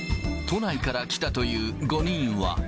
都内から来たという５人は。